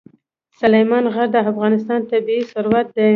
سلیمان غر د افغانستان طبعي ثروت دی.